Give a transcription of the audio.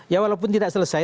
ya walaupun tidak selesai